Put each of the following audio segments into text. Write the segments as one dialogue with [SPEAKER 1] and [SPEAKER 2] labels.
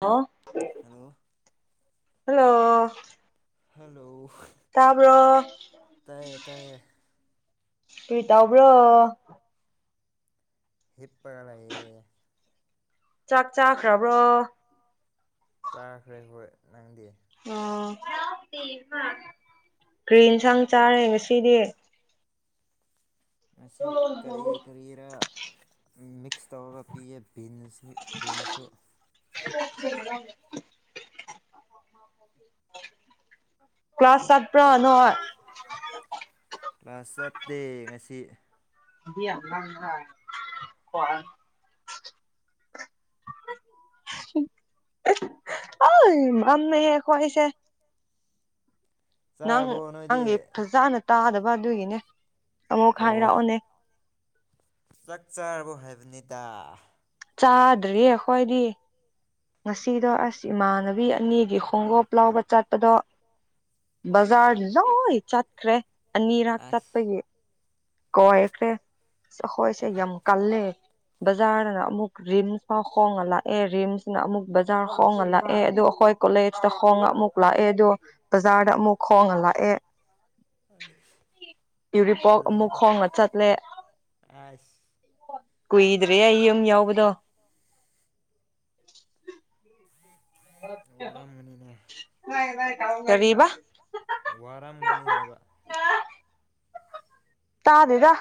[SPEAKER 1] ꯑꯣ
[SPEAKER 2] hello
[SPEAKER 1] hello
[SPEAKER 2] hello
[SPEAKER 1] ꯇꯥꯕ꯭ꯔꯣ
[SPEAKER 2] ꯇꯥꯏꯌꯦ ꯇꯥꯏꯌꯦ
[SPEAKER 1] ꯀ꯭ꯔꯤ ꯇꯧꯕ꯭ꯔꯣ
[SPEAKER 2] ꯍꯤꯞꯄꯒ ꯂꯩꯌꯦ
[SPEAKER 1] ꯆꯥꯛ ꯆꯥꯈ꯭ꯔꯕ꯭ꯔꯣ
[SPEAKER 2] ꯆꯥꯈ꯭ꯔꯦ ꯍꯣꯏ ꯅꯪꯗꯤ
[SPEAKER 1] ꯑꯣ ꯀ꯭ꯔꯤ ꯏꯟꯁꯥꯡ ꯆꯥꯔꯦ ꯉꯁꯤꯗꯤ
[SPEAKER 2] ꯑꯁꯤ ꯀꯔꯤ ꯀꯔꯤꯔ ꯃꯤꯛꯁ ꯇꯧꯔꯒ ꯄꯤꯌꯦ ꯕꯤꯟꯁ ꯕꯤꯟꯁꯁꯨ
[SPEAKER 1] [inaudible] ꯀ꯭ꯂꯥꯁ ꯆꯠꯄ꯭ꯔꯣ ꯅꯣꯏ
[SPEAKER 2] ꯀ꯭ꯂꯥꯁ ꯆꯠꯇꯦ ꯉꯁꯤ
[SPEAKER 1] ꯃꯍꯤ ꯌꯥꯝ ꯂꯥꯡ [unintelligible] ꯑꯥꯢ ꯃꯝꯃꯦꯍꯦ ꯑꯩꯈꯣꯢꯁꯦ ꯅꯪ
[SPEAKER 2] ꯆꯥꯔꯕꯣ ꯅꯣꯏꯗꯤ
[SPEAKER 1] ꯅꯪꯒꯤ ꯐꯖꯅ ꯇꯥꯗꯕ ꯑꯗꯨꯒꯤꯅꯦ ꯑꯃꯨꯛ
[SPEAKER 2] ꯑꯣ
[SPEAKER 1] ꯍꯥꯏꯔꯛꯑꯣꯅꯦ
[SPEAKER 2] ꯆꯥꯛ ꯆꯥꯔꯕꯣ ꯍꯥꯏꯕꯅꯤꯗ
[SPEAKER 1] ꯆꯥꯗ꯭ꯔꯤ ꯑꯩꯈꯣꯏꯗꯤ ꯉꯁꯤꯗꯣ ꯑꯁ ꯏꯃꯥꯟꯅꯕꯤ ꯑꯅꯤꯒꯤ ꯈꯣꯡꯎꯨꯞ ꯂꯥꯎꯕ ꯆꯠꯄꯗꯣ ꯕꯖꯥꯔꯗ ꯂꯣꯏ ꯆꯠꯈ꯭ꯔꯦ ꯑꯅꯤꯔꯛ
[SPEAKER 2] ꯑꯁ
[SPEAKER 1] ꯆꯠꯄꯒꯤ ꯀꯣꯏꯈ꯭ꯔꯦ ꯑꯁ ꯑꯩꯈꯣꯏꯁꯦ ꯌꯥꯝ ꯀꯜꯂꯦ ꯕꯖꯥꯔꯗꯅ ꯑꯃꯨꯛ ꯔꯤꯝꯁ ꯐꯥꯎ ꯈꯣꯡꯅ ꯂꯥꯛꯑꯦ ꯔꯤꯝꯁꯅ ꯑꯃꯨꯛ ꯕꯖꯥꯔ ꯈꯣꯡꯉ ꯂꯥꯛꯑꯦ ꯑꯗꯨ ꯑꯩꯈꯣꯏ ꯀꯣꯂꯦꯖꯇ ꯈꯣꯡꯅ ꯑꯃꯨꯛ ꯂꯥꯛꯑꯦ ꯑꯗꯣ ꯕꯖꯥꯔꯗ ꯑꯃꯨꯛ ꯈꯣꯡꯅ ꯂꯥꯛꯑꯦ ꯌꯨꯔꯤꯄꯣꯛ ꯑꯃꯨꯛ
[SPEAKER 2] ꯇꯜꯂꯤꯗ
[SPEAKER 1] ꯈꯣꯡꯅ ꯆꯠꯂꯦ
[SPEAKER 2] ꯑꯁ
[SPEAKER 1] ꯀꯨꯏꯗ꯭ꯔꯤꯌꯦ ꯌꯨꯝ ꯌꯧꯕꯗꯣ
[SPEAKER 2] ꯋꯥꯔꯝꯒꯅꯤꯅꯦ
[SPEAKER 1] ꯀꯔꯤꯕ
[SPEAKER 2] ꯋꯥꯔꯝꯒꯅꯤ ꯍꯥꯏꯕ
[SPEAKER 1] ꯇꯥꯗꯦꯗ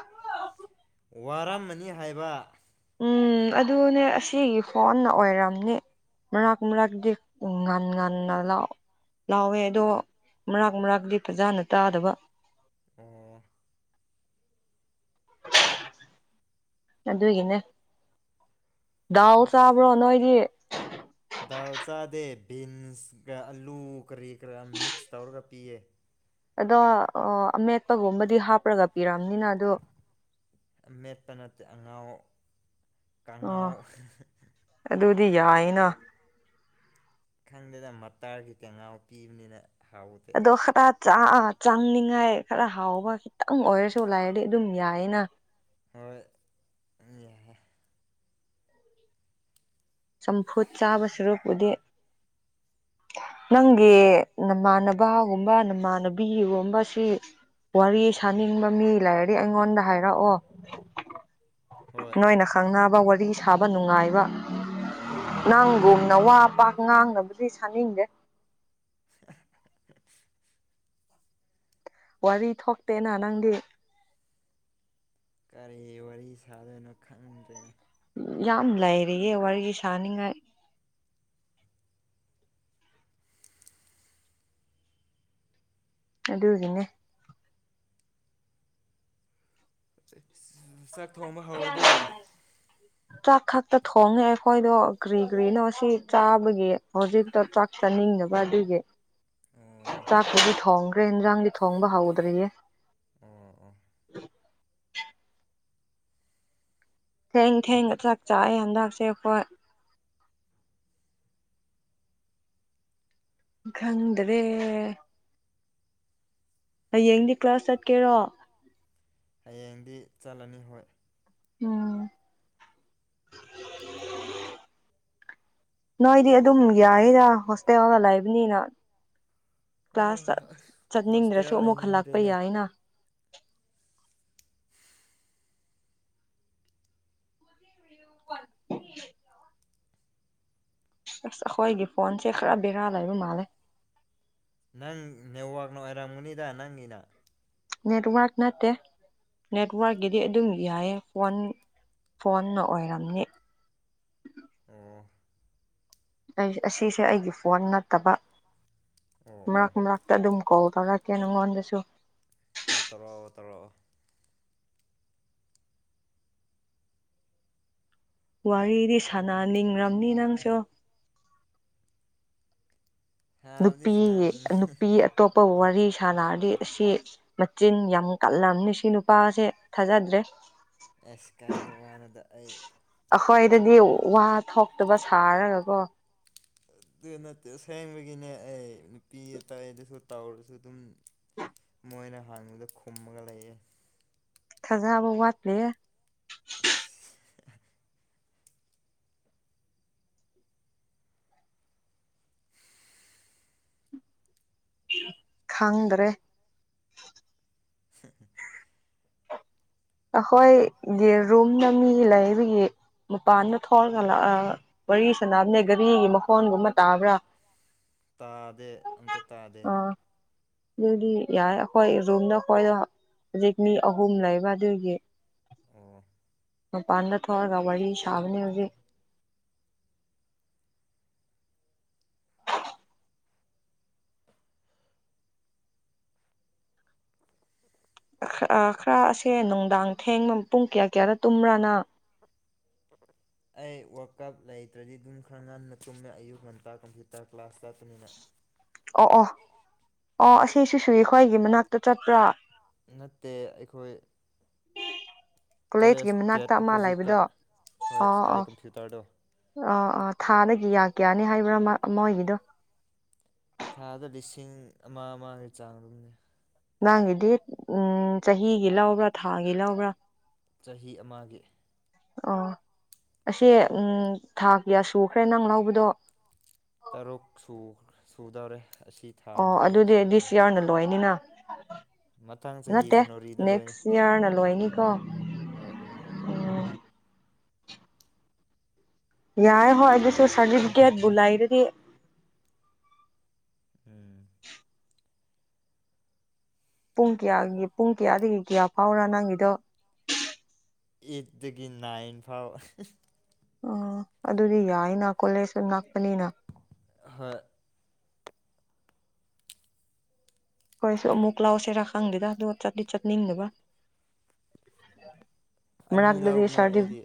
[SPEAKER 2] ꯋꯥꯔꯝꯃꯅꯤ ꯍꯥꯏꯕ
[SPEAKER 1] ꯎꯝ ꯑꯗꯨꯅꯦ ꯑꯁꯤꯒꯤ ꯐꯣꯟꯅ ꯑꯣꯏꯔꯝꯅꯤ ꯃꯔꯥꯛ ꯃꯔꯥꯛꯗꯤ ꯎꯝ ꯉꯟ ꯉꯟꯅ ꯂꯥꯎ ꯂꯥꯎꯋꯦ ꯑꯗꯣ ꯃꯔꯥꯛ ꯃꯔꯥꯛꯇꯤ ꯐꯖꯥꯅ ꯇꯥꯗꯕ
[SPEAKER 2] ꯑꯦ
[SPEAKER 1] ꯑꯗꯨꯒꯤꯅꯦ ꯗꯥꯜ ꯆꯥꯕ꯭ꯔꯣ ꯅꯣꯏꯗꯤ
[SPEAKER 2] ꯗꯥꯜ ꯆꯥꯗꯦ ꯕꯤꯟꯁꯒ ꯑꯂꯨ ꯀꯔꯤ ꯀꯔ ꯃꯤꯛꯁ ꯇꯧꯔꯒ ꯄꯤꯌꯦ
[SPEAKER 1] ꯑꯗꯣ ꯑ ꯑꯃꯦꯠꯄꯒꯨꯝꯕꯗꯤ ꯍꯥꯞꯔꯒ ꯄꯤꯔꯝꯅꯤꯅ ꯑꯗꯨ
[SPEAKER 2] ꯑꯃꯦꯠꯄ ꯅꯠꯇꯦ ꯑꯉꯥꯎ
[SPEAKER 1] ꯑꯣ
[SPEAKER 2] ꯀꯥꯡꯉꯧ
[SPEAKER 1] ꯑꯗꯨꯗꯤ ꯌꯥꯏꯌꯦꯅ
[SPEAKER 2] ꯈꯪꯗꯦꯗ ꯃꯠꯇꯥꯔꯒꯤ ꯀꯥꯡꯉꯧ ꯄꯤꯕꯅꯤꯅ ꯍꯥꯎꯗ
[SPEAKER 1] ꯑꯗꯣ ꯈꯔ ꯆꯥ ꯆꯪꯅꯤꯡꯉꯥꯏ ꯈꯔ ꯍꯥꯎꯕ ꯈꯤꯇꯪ ꯑꯣꯏꯔꯁꯨ ꯂꯩꯥꯏꯔꯗꯤ ꯑꯗꯨꯝ ꯌꯥꯏꯑꯦꯅ
[SPEAKER 2] ꯍꯣꯏ [unintelligible]
[SPEAKER 1] ꯆꯝꯐꯨꯠ ꯆꯥꯕ ꯁꯔꯨꯛꯄꯨꯗꯤ ꯅꯪꯒꯤ ꯅꯃꯥꯟꯅꯕꯒꯨꯝꯕ ꯅꯃꯥꯟꯅꯕꯤꯒꯨꯝꯕꯁꯤ ꯋꯥꯔꯤ ꯁꯥꯅꯤꯡꯕ ꯃꯤ ꯂꯩꯥꯔꯗꯤ ꯑꯩꯉꯣꯟꯗ ꯍꯥꯏꯔꯛꯑꯣ
[SPEAKER 2] ꯍꯣꯏ
[SPEAKER 1] ꯅꯣꯏꯅ ꯈꯪꯅꯕ ꯋꯥꯔꯤ ꯁꯥꯕ ꯅꯨꯡꯉꯥꯏꯕ
[SPEAKER 2] ꯎꯝ
[SPEAKER 1] ꯅꯪꯒꯨꯝꯅ ꯋꯥ ꯄꯥꯛ ꯉꯥꯡꯅꯕꯗꯤ ꯁꯥꯅꯤꯡꯗꯦ
[SPEAKER 2] [inaudible]
[SPEAKER 1] ꯋꯥꯔꯤ ꯊꯣꯛꯇꯦꯅ ꯅꯪꯗꯤ
[SPEAKER 2] ꯀꯔꯤ ꯋꯥꯔꯤ ꯁꯥꯗꯣꯏꯅꯣ ꯈꯪꯗ꯭ꯔꯦꯅꯦ
[SPEAKER 1] ꯌꯥꯝ ꯂꯩꯥꯏꯔꯤꯌꯦ ꯋꯥꯔꯤ ꯁꯥꯥꯟꯅꯤꯡꯉꯥꯏ ꯑꯗꯨꯒꯤꯅꯦ
[SPEAKER 2] ꯆꯥꯛ ꯊꯣꯡꯕ ꯍꯧꯔꯕꯣ
[SPEAKER 1] ꯆꯥꯛ ꯈꯛꯇ ꯊꯣꯡꯉꯦ ꯑꯩꯈꯣꯏꯗꯣ ꯀ꯭ꯔꯤ ꯀ꯭ꯔꯤꯅꯣ ꯁꯤ ꯆꯥꯕꯒꯤ ꯍꯧꯖꯤꯛꯇ ꯆꯥꯛ ꯆꯥꯅꯤꯡꯗꯕ ꯑꯗꯨꯒꯤ
[SPEAKER 2] ꯑꯣ
[SPEAKER 1] ꯆꯥꯛꯄꯨꯗꯤ ꯊꯣꯡꯈ꯭ꯔꯦ ꯏꯟꯖꯥꯡꯗꯤ ꯊꯣꯡꯕ ꯍꯧꯗ꯭ꯔꯤꯌꯦ
[SPEAKER 2] ꯑꯣ ꯑꯣ
[SPEAKER 1] ꯊꯦꯡ ꯊꯦꯡꯅ ꯆꯥꯛ ꯆꯥꯢꯌꯦ ꯍꯟꯗꯛꯁꯦ ꯑꯩꯈꯣꯏ ꯈꯪꯗꯔꯦ ꯍꯌꯦꯡꯗꯤ ꯀ꯭ꯂꯥꯁ ꯆꯠꯀꯦꯔꯣ
[SPEAKER 2] ꯍꯌꯦꯡꯗꯤ ꯆꯠꯂꯅꯤ ꯍꯣꯏ
[SPEAKER 1] ꯎꯝ ꯅꯣꯏꯗꯤ ꯑꯗꯨꯝ ꯌꯥꯢꯗ ꯍꯣꯁꯇꯦꯜꯗ ꯂꯩꯕꯅꯤꯅ
[SPEAKER 2] ꯑ
[SPEAKER 1] ꯀ꯭ꯂꯥꯁ
[SPEAKER 2] ꯑꯁ
[SPEAKER 1] ꯆꯠꯅꯤꯡꯗ꯭ꯔꯁꯨ
[SPEAKER 2] ꯍꯣꯁꯇꯦꯜ
[SPEAKER 1] ꯑꯃꯨꯛ ꯍꯜꯂꯛꯄ
[SPEAKER 2] ꯂꯩꯅꯤꯡꯗ꯭ꯔꯦꯅꯦ
[SPEAKER 1] ꯌꯥꯏꯅ [unintelligible] ꯑꯁ ꯑꯩꯈꯣꯏꯒꯤ ꯐꯣꯟꯁꯦ ꯈꯔ ꯕꯦꯔꯥ ꯂꯩꯕ ꯃꯥꯜꯂꯦ
[SPEAKER 2] ꯅꯪ ꯅꯦꯠꯋꯥꯛꯅ ꯑꯣꯏꯔꯝꯒꯅꯤꯗ ꯅꯪꯒꯤꯅ
[SPEAKER 1] ꯅꯦꯠꯋꯥꯔꯛ ꯅꯠꯇꯦ ꯅꯦꯠꯋꯥꯔꯛꯀꯤꯗꯤ ꯑꯗꯨꯝ ꯌꯥꯏꯌꯦ ꯐꯣꯟ ꯐꯣꯟꯅ ꯑꯣꯏꯔꯝꯅꯤ
[SPEAKER 2] ꯑꯣ
[SPEAKER 1] ꯑꯩ ꯑꯁꯤꯁꯦ ꯑꯩꯒꯤ ꯐꯣꯟ ꯅꯠꯇꯕ
[SPEAKER 2] ꯑꯣ ꯑꯣ
[SPEAKER 1] ꯃ꯭ꯔꯛ ꯃ꯭ꯔꯛ ꯑꯗꯨꯝ ꯀꯣꯜ ꯇꯧꯔꯛꯀꯦ ꯅꯉꯣꯟꯗꯁꯨ
[SPEAKER 2] ꯍꯣꯏ ꯇꯧꯔꯛꯑꯣ ꯇꯧꯔꯛꯑꯣ
[SPEAKER 1] ꯋꯥꯔꯤꯗꯤ ꯁꯥꯟꯅꯅꯤꯡꯔꯝꯅꯤ ꯅꯪꯁꯨ
[SPEAKER 2] ꯁꯥꯕꯗꯤ
[SPEAKER 1] ꯅꯨꯄꯤꯒꯤ
[SPEAKER 2] ꯁꯅꯥꯅꯤꯡ
[SPEAKER 1] ꯅꯨꯄꯤ ꯑꯇꯣꯞꯄ ꯋꯥꯔꯤ ꯁꯥꯥꯟꯅꯔꯗꯤ ꯑꯁꯤ ꯃꯆꯤꯟ ꯌꯥꯝ ꯀꯜꯂꯝꯅꯤ ꯁꯤ ꯅꯨꯄꯥ ꯅꯨꯄꯥꯁꯦ ꯊꯥꯖꯗ꯭ꯔꯦ
[SPEAKER 2] ꯑꯁ ꯀꯥꯏꯗ ꯋꯥꯅꯣꯗ ꯑꯩ
[SPEAKER 1] ꯑꯩꯈꯣꯏꯗꯗꯤ ꯋꯥ ꯊꯣꯛꯇꯕ ꯁꯥꯔꯒꯀꯣ
[SPEAKER 2] ꯑꯗꯨ ꯅꯠꯇꯦ ꯑꯁꯦꯡꯕꯒꯤꯅꯦ ꯑꯩ ꯅꯨꯄꯤ ꯑꯇꯩ ꯑꯗꯁꯨ ꯇꯧꯔꯁꯨ ꯑꯗꯨꯝ ꯃꯣꯏꯅ ꯍꯡꯕꯗ ꯈꯨꯝꯃꯒ ꯂꯩꯌꯦ
[SPEAKER 1] ꯊꯥꯖꯕ ꯋꯥꯠꯂꯦꯍꯦ
[SPEAKER 2] ꯁꯤꯁ
[SPEAKER 1] ꯈꯪꯗ꯭ꯔꯦ
[SPEAKER 2] [inaudible]
[SPEAKER 1] ꯑꯩꯈꯣꯏꯒꯤ ꯔꯨꯝꯅ ꯃꯤ ꯂꯩꯕꯒꯤ ꯃꯄꯥꯟꯅ ꯊꯣꯛꯂꯒ ꯂꯥꯛꯂꯒ ꯋꯥꯔꯤ ꯁꯥꯟꯅꯕꯅꯦ ꯘꯥꯔꯤꯒꯤ ꯃꯈꯣꯟꯒꯨꯝꯕ ꯇꯕ꯭ꯔꯥ [inaudible]
[SPEAKER 2] ꯇꯥꯗꯦ ꯑꯝꯇ ꯇꯥꯗꯦ
[SPEAKER 1] ꯑꯗꯨꯗꯤ ꯌꯥꯔꯦ ꯑꯩꯈꯣꯏ ꯔꯨꯝꯗ ꯑꯩꯈꯣꯏꯗꯣ ꯍꯧꯖꯤꯛ ꯃꯤ ꯑꯍꯨꯝ ꯂꯩꯕ ꯑꯗꯨꯒꯤ
[SPEAKER 2] ꯑꯣ
[SPEAKER 1] ꯃꯄꯥꯟꯗ ꯊꯣꯛꯔꯒ ꯋꯥꯔꯤ ꯁꯥꯕꯅꯦ ꯍꯧꯖꯤꯛ ꯑꯥ ꯈꯔ ꯑꯁꯦ ꯅꯨꯡꯗꯥꯡ ꯊꯦꯡꯕ ꯄꯨꯡ ꯀꯌꯥ ꯀꯌꯥꯗ ꯇꯨꯝꯕ꯭ꯔꯥ ꯅꯪ
[SPEAKER 2] [inaudible] ꯑꯩ ꯋꯥ꯭ꯔꯜ ꯀꯞ ꯂꯩꯇ꯭ꯔꯗꯤ ꯑꯗꯨꯝ ꯈꯔ ꯉꯟꯅ ꯇꯨꯝꯃꯦ ꯑꯌꯨꯛ ꯉꯟꯇꯥ ꯀꯝꯄ꯭ꯌꯨꯇꯔ ꯀ꯭ꯂꯥꯁ ꯆꯠꯄꯅꯤꯅ
[SPEAKER 1] ꯑꯣ ꯑꯣ ꯑꯣ ꯑꯁꯤꯁꯤꯁꯨ ꯈ꯭ꯣꯏꯒꯤ ꯃꯅꯥꯛꯇ ꯆꯠꯄ꯭ꯔꯥ
[SPEAKER 2] ꯅꯠꯇꯦ ꯑꯩꯈꯣꯏ ꯀꯣꯂꯦꯖ
[SPEAKER 1] ꯀꯣꯂꯦꯖꯀꯤ ꯃꯅꯥꯛꯇ
[SPEAKER 2] ꯒꯦꯠ
[SPEAKER 1] ꯑꯃ
[SPEAKER 2] ꯑꯣꯄꯣꯖꯤꯠꯇ
[SPEAKER 1] ꯂꯩꯕꯗꯣ
[SPEAKER 2] ꯍꯣꯏ ꯁ꯭ꯀꯥꯏ ꯀꯝꯄ꯭ꯌꯨꯇꯔꯗꯣ
[SPEAKER 1] ꯑꯥ ꯑꯥ ꯊꯥꯗ ꯀꯤꯌꯥ ꯀꯤꯌꯥꯅꯦ ꯍꯥꯏꯕ꯭ꯔꯥ ꯃꯥ ꯃꯣꯏꯒꯤꯗꯣ
[SPEAKER 2] ꯊꯥꯗ ꯂꯤꯁꯤꯡ ꯑꯃ ꯑꯃꯒꯤ ꯆꯥꯡ ꯑꯗꯨꯝꯅꯦ
[SPEAKER 1] ꯅꯪꯒꯤꯗꯤ ꯎꯝ ꯆꯍꯤꯒꯤ ꯂꯧꯕ꯭ꯔꯥ ꯊꯥꯒꯤ ꯂꯧꯕ꯭ꯔꯥ
[SPEAKER 2] ꯆꯍꯤ ꯑꯃꯒꯤ
[SPEAKER 1] ꯑꯣ ꯑꯁꯤ ꯎꯝ ꯊꯥ ꯀꯤꯌꯥ ꯁꯨꯈ꯭ꯔꯦ ꯅꯪ ꯂꯧꯕꯗꯣ
[SPEAKER 2] ꯇꯔꯨꯛ ꯁꯨ ꯁꯨꯗꯧꯔꯦ ꯑꯁꯤ ꯊꯥꯅ
[SPEAKER 1] ꯑꯣ
[SPEAKER 2] ꯇꯔꯨꯛ
[SPEAKER 1] ꯑꯗꯨꯗꯤ ꯗꯤꯁ
[SPEAKER 2] ꯁꯨꯗꯧꯔꯦ
[SPEAKER 1] ꯌꯤꯌꯔꯅ ꯂꯣꯏꯅꯤꯅ
[SPEAKER 2] ꯃꯊꯪ ꯆꯍꯤ
[SPEAKER 1] ꯅꯠꯇꯦ
[SPEAKER 2] ꯖꯦꯅꯋꯥꯔꯤꯗ ꯂꯣꯏꯅꯤ
[SPEAKER 1] ꯅꯦꯛꯁ ꯏꯌꯥꯔꯅ ꯂꯣꯏꯅꯤꯀꯣ
[SPEAKER 2] ꯍꯣꯏ
[SPEAKER 1] ꯎꯝ ꯌꯥꯏ ꯍꯣꯏ ꯑꯗꯨꯁꯨ ꯁꯥꯔꯇꯤꯐꯤꯀꯦꯠꯕꯨ ꯂꯩꯔꯗꯤ
[SPEAKER 2] ꯎꯝ
[SPEAKER 1] ꯄꯨꯡ ꯀꯌꯥꯒꯤ ꯄꯨꯡ ꯀꯌꯥꯗꯒꯤ ꯀꯌꯥ ꯐꯥꯎꯔ ꯅꯪꯒꯤꯗꯣ
[SPEAKER 2] ꯑꯩꯠꯇꯒꯤ ꯅꯥꯏꯟ ꯐꯥꯎ
[SPEAKER 1] ꯑꯣ ꯑꯗꯨꯗꯤ ꯌꯥꯏꯅ ꯀꯣꯂꯦꯖꯁꯨ ꯅꯛꯄꯅꯤꯅ
[SPEAKER 2] ꯍꯣꯏ
[SPEAKER 1] ꯈꯣꯏꯁꯨ ꯑꯃꯨꯛ ꯂꯧꯁꯤꯔꯥ ꯈꯪꯗꯦꯗ ꯑꯗꯨꯒ ꯆꯠꯇꯤ ꯆꯠꯅꯤꯡꯗꯕ
[SPEAKER 2] ꯑꯅꯤ
[SPEAKER 1] ꯃꯅꯥꯛꯇꯗꯤ
[SPEAKER 2] ꯂꯧꯕꯅꯦ
[SPEAKER 1] ꯁꯥꯔꯇꯤ
[SPEAKER 2] ꯑꯩꯗꯤ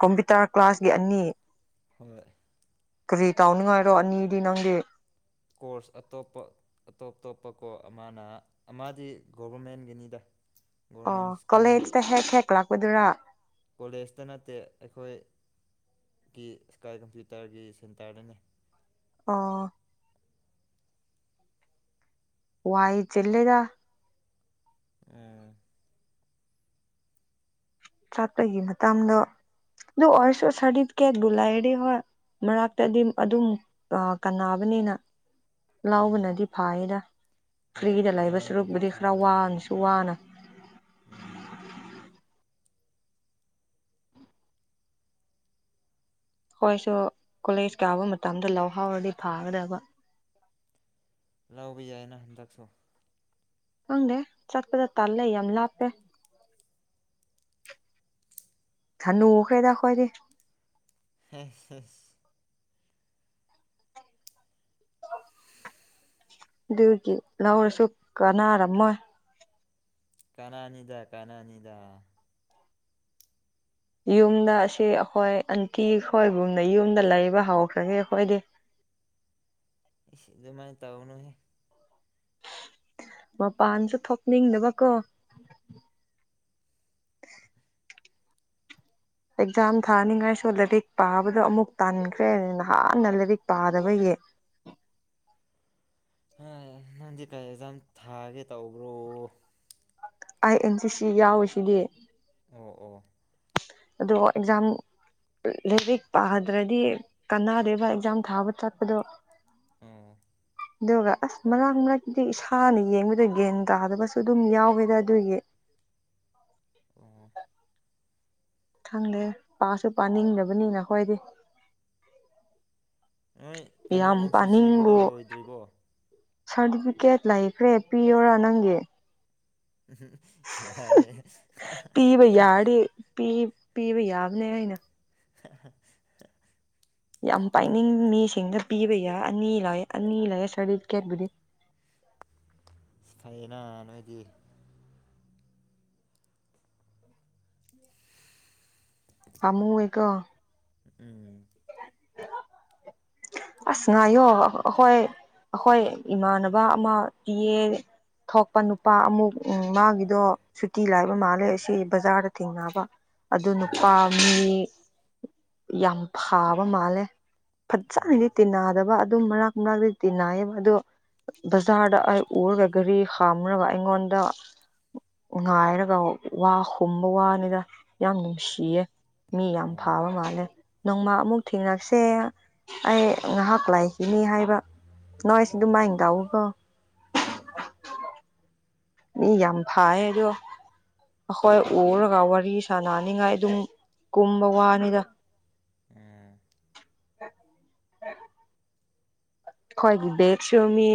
[SPEAKER 1] ꯀꯝꯄ꯭ꯌꯨꯇꯔ ꯀ꯭ꯂꯥꯁꯀꯤ ꯑꯅꯤ
[SPEAKER 2] ꯍꯣꯏ
[SPEAKER 1] ꯀꯔꯤ ꯇꯧꯅꯤꯡꯉꯥꯏꯔꯣ ꯑꯅꯤꯗꯤ ꯅꯪꯗꯤ
[SPEAKER 2] ꯀꯣꯔꯁ ꯑꯇꯣꯞꯄ ꯑꯇꯣꯞ ꯇꯣꯞꯄꯀꯣ ꯑꯃꯅ ꯑꯃꯗꯤ ꯒꯣꯚꯔꯃꯦꯟꯒꯤꯅꯤꯗ
[SPEAKER 1] ꯑꯣ ꯀꯣꯂꯦꯖꯇ ꯍꯦꯛ ꯍꯦꯛ ꯂꯥꯛꯄꯗꯨꯔꯥ
[SPEAKER 2] ꯀꯣꯂꯦꯖꯇ ꯅꯠꯇꯦ ꯑꯩꯈꯣꯏꯒꯤ ꯏꯁꯀꯥꯏ ꯀꯝꯄ꯭ꯌꯨꯇꯔꯒꯤ ꯁꯦꯟꯇꯔꯗꯅꯦ
[SPEAKER 1] ꯑꯣ ꯋꯥꯏ ꯆꯤꯜꯂꯦꯗ
[SPEAKER 2] ꯎ
[SPEAKER 1] ꯆꯠꯄꯒꯤ ꯃꯇꯥꯡꯗꯣ ꯑꯗꯨ ꯑꯣꯏꯔꯁꯨ ꯁꯥꯔꯗꯤꯐꯤꯀꯦꯠꯕꯨ ꯂꯩꯔꯗꯤ ꯍꯣꯏ ꯃꯔꯛꯇꯗꯤ ꯑꯗꯨꯝ ꯑ ꯀꯥꯟꯅꯕꯅꯤꯅ
[SPEAKER 2] ꯎꯝ
[SPEAKER 1] ꯂꯥꯎꯕꯅꯗꯤ ꯐꯥꯌꯦꯗ
[SPEAKER 2] ꯍꯣꯏ
[SPEAKER 1] ꯐ꯭ꯔꯤꯗ ꯂꯩꯕ
[SPEAKER 2] ꯑꯦꯛꯖꯥꯝꯒꯨꯝꯕ
[SPEAKER 1] ꯁꯨꯔꯨꯛꯕꯨꯗꯤ ꯈꯔ
[SPEAKER 2] ꯊꯥꯒꯦ
[SPEAKER 1] ꯋꯥꯅꯁꯨ
[SPEAKER 2] ꯍꯥꯏꯔꯁꯨ
[SPEAKER 1] ꯋꯥꯅ
[SPEAKER 2] ꯎꯝ
[SPEAKER 1] ꯈꯣꯏꯁꯨ ꯀꯣꯂꯦꯖ ꯀꯥꯕ ꯃꯇꯝꯗ ꯂꯧꯍꯧꯔꯗꯤ ꯐꯥꯒꯗꯕ
[SPEAKER 2] ꯂꯧꯕ ꯌꯥꯏꯅ ꯍꯟꯗꯛꯁꯨ
[SPEAKER 1] ꯈꯪꯗꯦ ꯆꯠꯄꯗ ꯇꯜꯂꯦ ꯌꯥꯝ ꯂꯥꯞꯄꯦ ꯊꯅꯨꯈ꯭ꯔꯦꯗ ꯈꯣꯏꯗꯤ
[SPEAKER 2] ꯍꯩꯁ ꯍꯩꯁ
[SPEAKER 1] ꯗꯨꯒꯤ ꯂꯧꯔꯁꯨ ꯀꯅꯥꯔꯝꯃꯣꯏ
[SPEAKER 2] ꯀꯥꯟꯅꯅꯤꯗ ꯀꯥꯟꯅꯅꯤꯗ
[SPEAKER 1] ꯌꯨꯝꯗ ꯑꯁꯤ ꯑꯩꯈꯣꯏ ꯑꯟꯇꯤ ꯈꯣꯏꯒꯨꯝꯅ ꯌꯨꯝꯗ ꯂꯩꯕ ꯍꯧꯈ꯭ꯔꯒꯦ ꯑꯩꯈꯣꯏꯗꯤ
[SPEAKER 2] ꯏꯁ ꯑꯗꯨꯃꯥꯏ ꯇꯧꯅꯨꯍꯦ
[SPEAKER 1] ꯃꯄꯥꯟꯁꯨ ꯊꯣꯛꯅꯤꯡꯗꯕ ꯀꯣ ꯑꯦꯛꯖꯥꯝ ꯊꯥꯅꯤꯡꯉꯥꯏꯁꯨ ꯂꯥꯏꯔꯤꯛ ꯄꯥꯕꯗꯣ ꯑꯃꯨꯛ ꯇꯥꯟꯈ꯭ꯔꯦ ꯅꯍꯥꯟꯅ ꯂꯥꯏꯔꯤꯛ ꯄꯥꯗꯕꯒꯤ
[SPEAKER 2] ꯍꯣꯏ ꯅꯪꯗꯤ ꯀꯩ ꯑꯦꯛꯖꯥꯝ ꯊꯥꯒꯦ ꯇꯧꯕ꯭ꯔꯣ
[SPEAKER 1] ꯑꯩ ꯑꯦꯟ ꯁꯤ ꯁꯤ ꯌꯥꯎꯋꯤꯁꯤꯗꯤ
[SPEAKER 2] ꯑꯣ ꯑꯣ
[SPEAKER 1] ꯑꯗꯣ ꯑꯦꯛꯖꯥꯝ ꯂꯦꯔꯤꯛ ꯄꯥꯗ꯭ꯔꯗꯤ ꯀꯥꯟꯅꯗꯦꯕ ꯑꯦꯛꯖꯥꯝ ꯊꯥꯕ ꯆꯠꯄꯗꯣ
[SPEAKER 2] ꯑꯣ
[SPEAKER 1] ꯑꯗꯨꯒ ꯑꯁ ꯃꯔꯛ ꯃꯔꯛꯇꯗꯤ ꯏꯁꯥꯅ ꯌꯦꯡꯕꯗ ꯒꯦꯟ ꯇꯥꯗꯕꯁꯨ ꯑꯗꯨꯝ ꯌꯥꯎꯋꯦꯗ ꯑꯗꯨꯒꯤ
[SPEAKER 2] ꯑꯣ
[SPEAKER 1] ꯈꯪꯗꯦ ꯄꯥꯁꯨ ꯄꯥꯅꯤꯡꯗꯕꯅꯤꯅ ꯑꯈꯣꯏꯗꯤ
[SPEAKER 2] ꯅꯣꯏ ꯀꯩꯅꯣ
[SPEAKER 1] ꯌꯥꯝ
[SPEAKER 2] ꯑꯦꯟ ꯁꯤ ꯁꯤꯒꯤꯗꯨ
[SPEAKER 1] ꯄꯥꯅꯤꯡꯕꯨ
[SPEAKER 2] ꯂꯣꯏꯗ꯭ꯔꯤꯕꯣ
[SPEAKER 1] ꯁꯥꯔꯇꯤꯐꯤꯀꯦꯠ ꯂꯩꯈ꯭ꯔꯦ ꯄꯤꯌꯣꯔꯥ ꯅꯪꯒꯤ
[SPEAKER 2] ꯎꯍꯨꯝ ꯌꯥꯔꯦ [unintelligible]
[SPEAKER 1] ꯄꯤꯞ ꯄꯤꯕ ꯌꯥꯕꯅꯦ ꯑꯩꯅ
[SPEAKER 2] ꯍꯥ ꯍꯥ
[SPEAKER 1] ꯌꯥꯝ ꯄꯥꯏꯅꯤꯡ ꯃꯤꯁꯤꯡꯗ ꯄꯤꯕ ꯌꯥ ꯑꯅꯤ ꯂꯥꯏꯌꯦ ꯑꯅꯤ ꯂꯩꯌꯦ ꯁꯥꯔꯇꯤꯐꯤꯀꯦꯠꯕꯨꯨꯗꯤ
[SPEAKER 2] ꯁꯐꯥꯏꯌꯦꯅ ꯅꯣꯏꯗꯤ
[SPEAKER 1] ꯄꯥꯝꯃꯨꯋꯦꯀꯣ
[SPEAKER 2] ꯎꯝ
[SPEAKER 1] ꯑꯁ ꯉꯥꯏꯌꯣ ꯑꯍꯣꯏ ꯑꯈꯣꯏ ꯏꯃꯥꯟꯅꯕ ꯑꯃꯥ ꯄꯤꯌꯦ ꯊꯣꯛ ꯄꯥ ꯅꯨꯄꯥ ꯑꯃꯨꯛ ꯎꯝ ꯃꯥꯒꯤꯗꯣ ꯁꯨꯇꯤ ꯂꯥꯏꯕ ꯃꯥꯜꯂꯦ ꯑꯁꯤ ꯕꯖꯥꯔꯗ ꯊꯦꯡꯅꯕ ꯑꯗꯨ
[SPEAKER 2] ꯑꯣ
[SPEAKER 1] ꯅꯨꯄꯥ ꯃꯤ ꯌꯥꯝ ꯐꯥꯕ ꯃꯥꯜꯂꯦ
[SPEAKER 2] ꯑꯣ
[SPEAKER 1] ꯐꯠꯖꯥꯅꯗꯤ ꯇꯤꯟꯅꯗꯕ ꯑꯗꯨꯝ ꯃꯥꯔꯛ ꯃꯔꯛꯇꯤ ꯇꯤꯟꯅꯌꯦ ꯑꯗꯣ ꯕꯖꯥꯔꯗ ꯑꯩ ꯎꯔꯒ ꯘꯔꯤ ꯈꯥꯝꯔꯒ ꯑꯩꯉꯣꯟꯗ ꯉꯥꯏꯔꯒ ꯋꯥ ꯍꯨꯝꯕ ꯋꯥꯅꯤꯗ ꯌꯥꯝ ꯅꯨꯡꯁꯤꯌꯦ ꯃꯤ ꯌꯥꯝ
[SPEAKER 2] ꯑꯣ
[SPEAKER 1] ꯐꯥꯕ ꯃꯥꯜꯂꯦ ꯅꯣꯡꯃ ꯑꯃꯨꯛ ꯊꯦꯡꯅꯁꯦ ꯑꯩ ꯉꯥꯍꯥꯛ ꯂꯥꯛꯈꯤꯅꯤ ꯍꯥꯏꯕ ꯅꯣꯏꯁꯨ
[SPEAKER 2] ꯑꯣ
[SPEAKER 1] ꯑꯗꯨꯝꯃꯥꯏꯟ ꯇꯧꯎꯀꯣ
[SPEAKER 2] ꯍꯣꯏ
[SPEAKER 1] ꯃꯤ ꯌꯥꯝ ꯐꯥꯌꯦ ꯑꯗꯣ ꯑꯈꯣꯏ ꯎꯔꯒ ꯋꯥꯔꯤ ꯁꯥꯟꯅꯅꯤꯉꯥꯏ ꯑꯗꯨꯝ ꯀꯨꯝꯕ ꯋꯥꯅꯤꯗ
[SPEAKER 2] ꯑꯦ
[SPEAKER 1] ꯈꯣꯏꯒꯤ ꯕꯦꯛꯁꯨ ꯃꯤ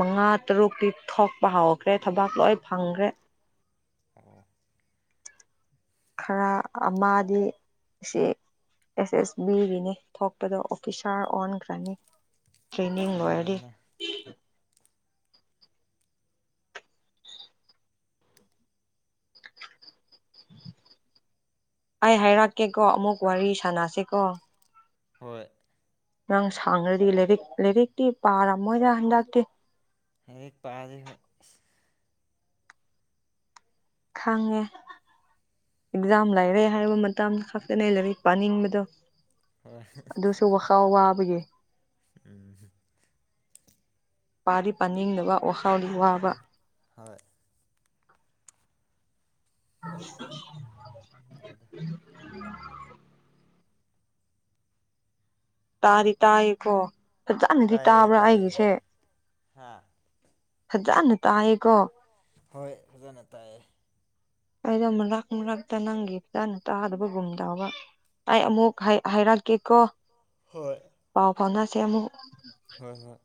[SPEAKER 1] ꯃꯉꯥ ꯇꯔꯨꯛꯇꯤ ꯊꯣꯛꯄ ꯍꯧꯈ꯭ꯔꯦ ꯊꯕꯛ ꯂꯣꯏ ꯐꯪꯈ꯭ꯔꯦ
[SPEAKER 2] ꯑꯣ
[SPEAKER 1] ꯈꯔ ꯑꯃꯥꯗꯤ ꯁꯤ ꯑꯦꯁ ꯑꯦꯁ ꯕꯤꯒꯤꯅꯤ ꯊꯣꯛꯄꯗꯣ ꯑꯣꯐꯤꯁꯥꯔ ꯑꯣꯟꯈ꯭ꯔꯅꯤ
[SPEAKER 2] ꯑꯁ
[SPEAKER 1] ꯇ꯭ꯔꯦꯅꯤꯡ ꯂꯣꯏꯔꯗꯤ
[SPEAKER 2] ꯅꯨꯡꯉꯥꯏꯌꯦꯅ
[SPEAKER 1] ꯑꯩ ꯍꯥꯏꯔꯛꯀꯦ ꯀꯣ ꯑꯃꯨꯛ ꯋꯥꯔꯤ ꯁꯥꯟꯅꯁꯦ ꯀꯣ
[SPEAKER 2] ꯍꯣꯏ
[SPEAKER 1] ꯅꯪ ꯁꯥꯡꯔꯥꯗꯤ ꯂꯥꯏꯔꯤꯛ ꯂꯥꯏꯔꯤꯛꯇꯤ ꯄꯥꯔꯝꯃꯣꯏꯗ ꯍꯟꯗꯛꯇꯤ
[SPEAKER 2] ꯂꯥꯢꯔꯤꯛ ꯄꯥꯗꯦ ꯍꯣꯢ
[SPEAKER 1] ꯈꯪꯉꯦ ꯑꯦꯛꯖꯥꯝ ꯂꯥꯏꯔꯦ ꯍꯥꯏꯕ ꯃꯇꯝ ꯈꯛꯇꯅꯦ ꯂꯥꯏꯔꯤꯛ ꯄꯥꯅꯤꯡꯕꯗꯣ
[SPEAKER 2] ꯍꯣꯏ
[SPEAKER 1] ꯑꯗꯨꯁꯨ ꯋꯥꯈꯜ ꯋꯥꯕꯒꯤ
[SPEAKER 2] ꯎꯝꯍꯨꯝ
[SPEAKER 1] ꯄꯥꯗꯤ ꯄꯥꯅꯤꯡꯗꯕ ꯋꯥꯈꯜꯗꯤ ꯋꯥꯕ
[SPEAKER 2] ꯍꯣꯏ
[SPEAKER 1] [inaudible]
[SPEAKER 2] [unintelligible]
[SPEAKER 1] ꯇꯥꯗꯤ ꯇꯥꯏꯔꯤꯕꯣ ꯐꯖꯥꯅꯗꯤ
[SPEAKER 2] ꯇꯥꯏꯌꯦ
[SPEAKER 1] ꯇꯥꯕ꯭ꯔꯥ
[SPEAKER 2] ꯇꯥꯏꯌꯦ
[SPEAKER 1] ꯑꯩꯒꯤꯁꯦ
[SPEAKER 2] ꯍꯥ
[SPEAKER 1] ꯐꯥꯖꯅ ꯇꯥꯏꯌꯦꯀꯣ
[SPEAKER 2] ꯍꯣꯏ ꯐꯖꯅ ꯇꯥꯏꯌꯦ
[SPEAKER 1] ꯑꯩꯗꯣ ꯃꯔꯛ ꯃꯔꯛꯇ ꯅꯪꯒꯤ ꯐꯖꯅ ꯇꯥꯗꯕꯒꯨꯝ ꯇꯧꯕ ꯑꯩ ꯑꯃꯨꯛ ꯍꯥꯏ ꯍꯥꯏꯔꯛꯀꯦꯀꯣ
[SPEAKER 2] ꯍꯣꯏ
[SPEAKER 1] ꯄꯥꯎ ꯐꯥꯎꯅꯁꯦ ꯑꯃꯨꯛ
[SPEAKER 2] ꯍꯣꯏ ꯍꯣꯏ